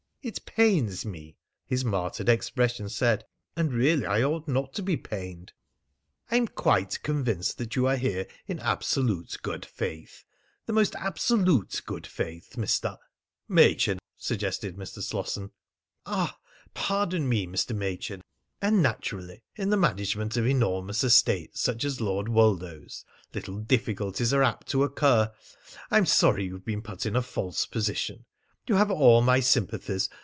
"It pains me." (His martyred expression said: "And really I ought not to be pained.") "I'm quite convinced that you are here in absolute good faith the most absolute good faith, Mr. " "Machin," suggested Mr. Slosson. "Ah! Pardon me, Mr. Machin. And, naturally, in the management of enormous estates such as Lord Woldo's little difficulties are apt to occur.... I'm sorry you've been put in a false position. You have all my sympathies.